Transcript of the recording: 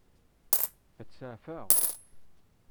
Ad tt-seɛfeɣ?